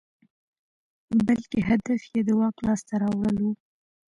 بلکې هدف یې د واک لاسته راوړل وو.